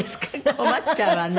困っちゃうわね。